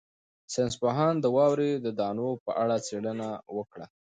ساینس پوهانو د واورې د دانو په اړه څېړنه وکړه.